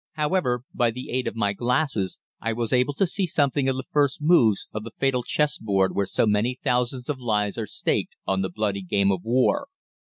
However, by the aid of my glasses I was able to see something of the first moves on the fatal chess board where so many thousands of lives are staked on the bloody game of war.